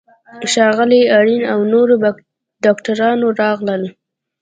ښاغلی آرین او نورو ډاکټرانو راغلل.